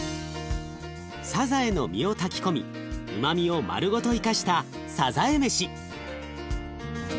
さざえの身を炊き込みうまみを丸ごと生かしたさざえ飯。